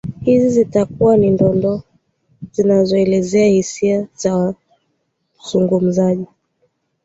hizi zitakuwa ni dondoo zinazoelezea hisia za wazungumzaji